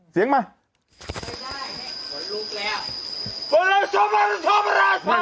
เสียงมา